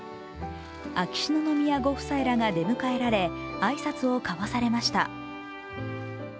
秋篠宮ご夫妻らが出迎えられ挨拶を交わされました。